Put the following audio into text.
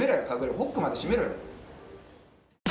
ホックまで閉めろよ。